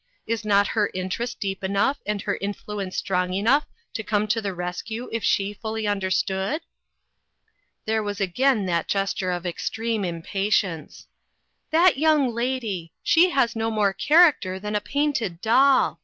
Is not her interest deep enough and her influence strong enough to come to the rescue if she fully understood?" There was again that gesture of extreme impatience. " That young lady ! She has no more charac ter than a painted doll